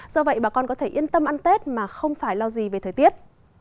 do vậy bà con có thể yên tâm ăn tết mà không phải lo gì về thời tiết